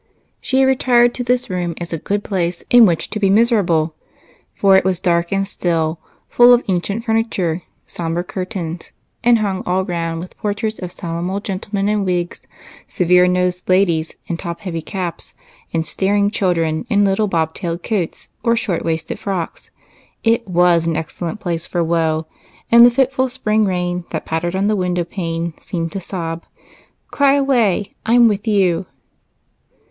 She had retired to this room as a good place in which to be miserable ; for it was dark and still, full of ancient furniture,, sombre curtains, and hung all round with portraits of solemn old gentlemen in wigs, severe nosed ladies in top heavy caps, and star ing children in little bob tailed coats or short waisted frocks. It was an excellent place for woe ; and the fitful spring rain that pattered on the window pane seemed to sob, " Cry away ; I 'm with you."